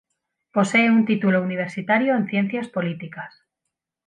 Posee un título universitario en ciencias políticas.